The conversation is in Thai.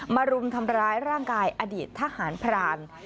รุมทำร้ายร่างกายอดีตทหารพราน